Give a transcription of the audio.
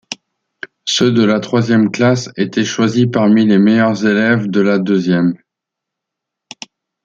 Ceux de la troisième classe étaient choisis parmi les meilleurs élèves de la deuxième.